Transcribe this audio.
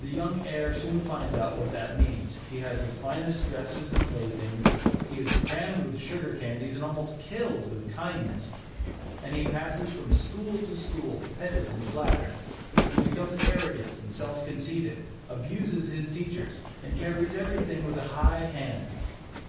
The young heir soon finds out what that means; he has the finest dresses and playthings; he is crammed with sugar candies and almost "killed with kindness," and he passes from school to school, petted and flattered. He becomes arrogant and self conceited, abuses his teachers, and carries everything with a high hand.